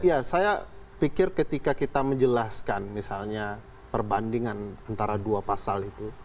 ya saya pikir ketika kita menjelaskan misalnya perbandingan antara dua pasal itu